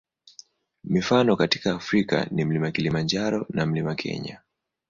Mifano katika Afrika ni Mlima Kilimanjaro na Mlima Kenya.